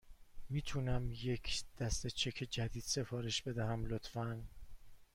می تونم یک دسته چک جدید سفارش بدهم، لطفاً؟